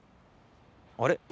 あれ？